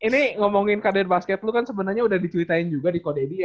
ini ngomongin kadein basket lu kan sebenarnya udah diculikain juga di kodeb ya